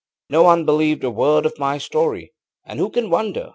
ŌĆ£No one believed a word of my story, and who can wonder?